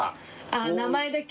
あぁ名前だけ。